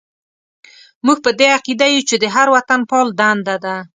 موږ په دې عقیده یو چې د هر وطنپال دنده ده.